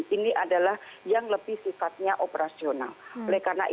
yang kedua adalah yang lebih sifatnya operasional